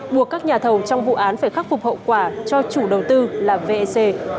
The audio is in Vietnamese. buộc các nhà thầu trong vụ án phải khắc phục hậu quả cho chủ đầu tư là vec